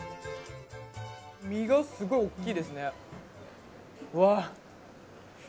身がすごい大きいですね。